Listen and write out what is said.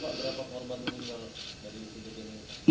dari penduduk ini